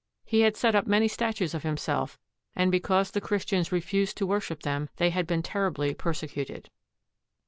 He had set up many statues of himself, and because the Christians refused to worship them, they had been terribly persecuted.